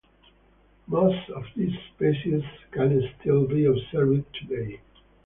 Most of these species can still be observed today.